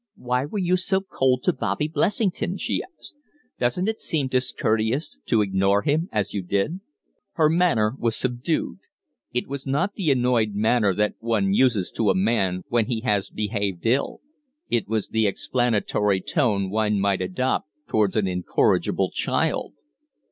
"Why were you so cold to Bobby Blessington?" she asked. "Doesn't it seem discourteous to ignore him as you did?" Her manner was subdued. It was not the annoyed manner that one uses to a man when he has behaved ill; it was the explanatory tone one might adopt towards an incorrigible child.